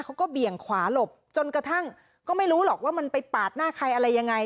เบี่ยงขวาหลบจนกระทั่งก็ไม่รู้หรอกว่ามันไปปาดหน้าใครอะไรยังไง